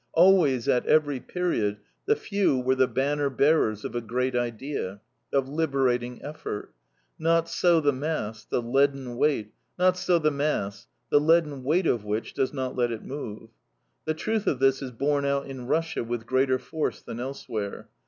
Always, at every period, the few were the banner bearers of a great idea, of liberating effort. Not so the mass, the leaden weight of which does not let it move. The truth of this is borne out in Russia with greater force than elsewhere.